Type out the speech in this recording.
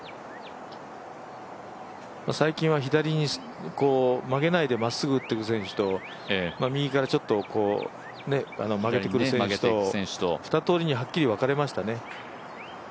最近は左に曲げないでまっすぐ打っていく選手と右から曲げてくる選手と２通りにはっきり分かれましたね。